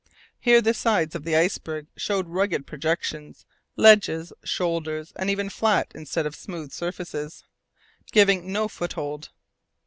Here the sides of the iceberg showed rugged projections, ledges, shoulders, and even flat instead of smooth surfaces, giving no foothold.